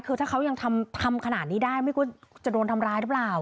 คือถ้าเขายังทำขนาดนี้ได้ไม่ควรจะโดนทำร้ายหรือเปล่า